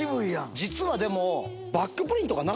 実はでも。